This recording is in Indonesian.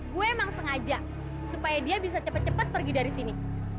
gue emang sengaja supaya dia bisa cepat cepat pergi dari sini